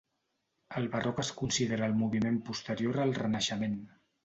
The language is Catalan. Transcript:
El Barroc es considera el moviment posterior al Renaixement.